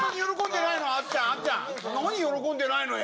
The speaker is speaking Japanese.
なに喜んでないのよ。